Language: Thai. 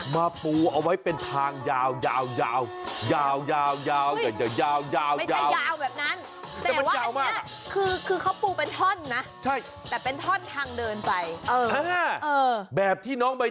แหงลากกันไป